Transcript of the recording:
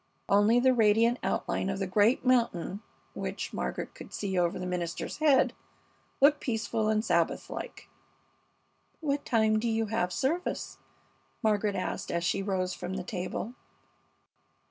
Only the radiant outline of the great mountain, which Margaret could see over the minister's head, looked peaceful and Sabbath like. "What time do you have service?" Margaret asked, as she rose from the table.